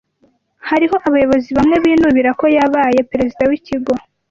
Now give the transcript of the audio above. Hariho abayobozi bamwe binubira ko yabaye perezida wikigo.